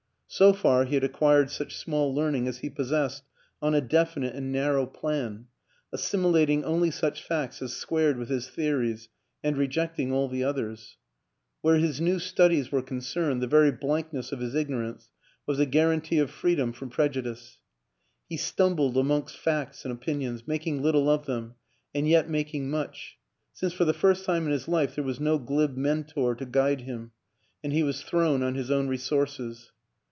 So far he had acquired such small learn ing as he possessed on a definite and narrow plan, assimilating only such facts as squared with his theories and rejecting all the others; where his new studies were concerned the very blankness of his ignorance was a guarantee of freedom from prejudice. He stumbled amongst facts and opin ions, making little of them and yet making much since for the first time in his life there was no glib mentor to guide him and he was thrown on his own resources.